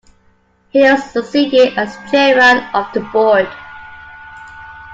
Hills succeeded as chairman of the board.